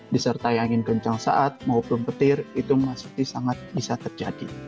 disertai angin kencang saat maupun petir itu maksudnya sangat bisa terjadi